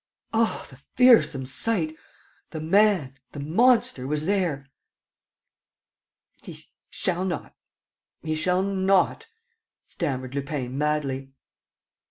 . Oh, the fearsome sight! ... The man, the monster, was there. ... "He shall not ... he shall not," stammered Lupin madly.